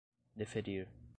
deferir